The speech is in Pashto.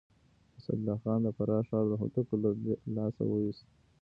اسدالله خان د فراه ښار د هوتکو له لاسه وويست.